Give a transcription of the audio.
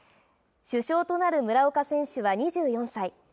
主将となる村岡選手は２４歳。